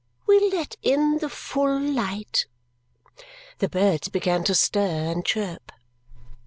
We'll let in the full light." The birds began to stir and chirp.